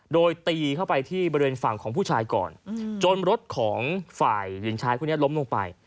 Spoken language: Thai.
โดยตีเข้าไปที่บริเวณฝั่งของผู้ชายก่อนจนรถของฝ่ายหญิงชายคนนี้ล้มลงไป